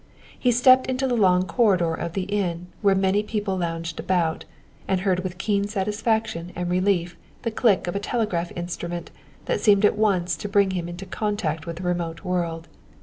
He stepped into the long corridor of the inn, where many people lounged about, and heard with keen satisfaction and relief the click of a telegraph instrument that seemed at once to bring him into contact with the remote world.